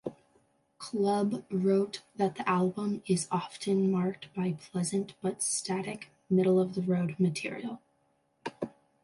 Club" wrote that the album "is often marked by pleasant but static, middle-of-the-road material.